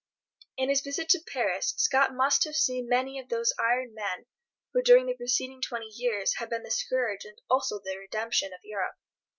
In his visit to Paris Scott must have seen many of those iron men who during the preceding twenty years had been the scourge and also the redemption of Europe.